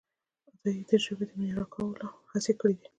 عطایي د ژبې د معیاري کولو هڅې کړیدي.